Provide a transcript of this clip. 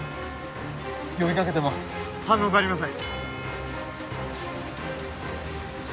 呼びかけても反応がありません。